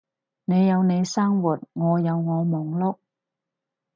你有你生活，我有我忙碌